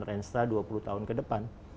rensra dua puluh tahun kedepan